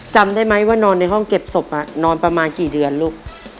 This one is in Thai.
จำได้ไหมว่านอนในห้องเก็บศพนอนประมาณกี่เดือนลูก